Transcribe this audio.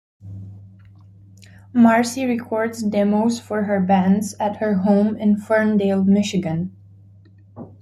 Marcie records demos for her bands at her home in Ferndale, Michigan.